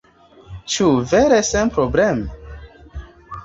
Ĉu vere senprobleme?